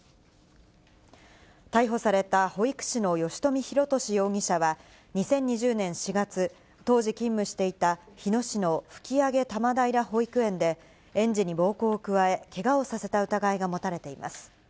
逮捕された保育士の吉冨弘敏容疑者は、２０２０年４月、当時、勤務していた日野市の吹上多摩平保育園で、園児に暴行を加え、けがをさせた疑いが持たれています。